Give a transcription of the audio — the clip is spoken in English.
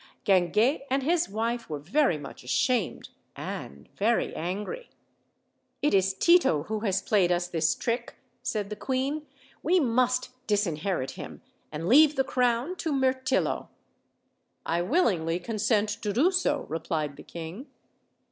Guinguet and his wife were very much ashamed, and very angry. "It is Tito who has played us this trick," said the queen. "We must disinherit him and leave the crown to Mirtillo." "I willingly consent to do so," replied the king.